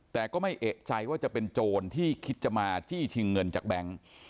แต่ก็ไม่เอกใจว่าจะเป็นโจรที่คิดจะมาจี้ชิงเงินจากแบงค์